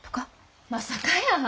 まさかやー！